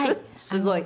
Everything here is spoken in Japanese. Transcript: すごい。